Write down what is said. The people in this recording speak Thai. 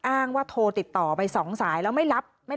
อ้างว่าโทรติดต่อไป๒สายแล้วไม่รับ